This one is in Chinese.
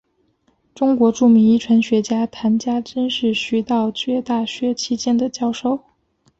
中国著名遗传学家谈家桢是徐道觉大学期间的教授。